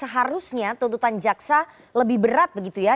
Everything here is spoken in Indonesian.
seharusnya tuntutan jaksa lebih berat begitu ya